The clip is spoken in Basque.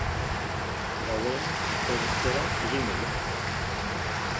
Gauean atertzera egingo du.